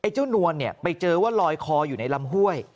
เจ้านวลไปเจอว่าลอยคออยู่ในลำห้วย